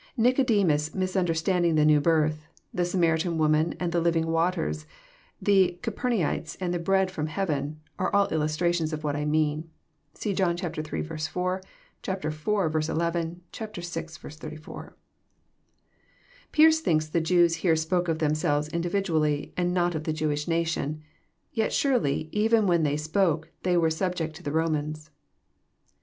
Nic odemus misunderstanding the new birth, the Samaritan woman and the living waters, the Capemaites and the bread ft'om hea ven, are all illustrations of what I mean. (See John iii. i ; iv. 11; vi. 84.) Pearce thinks the Jews here spoke of themselves individually, and not of the Jewish nation. Yet surely, even when they spoke, they were subject to the Romans.